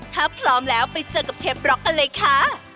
ถ้าพร้อมแล้วไปเจอกับเชฟบล็อกกันเลยค่ะ